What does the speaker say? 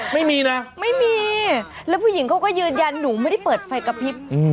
ไม่มีนะไม่มีแล้วผู้หญิงเขาก็ยืนยันหนูไม่ได้เปิดไฟกระพริบ